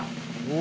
お！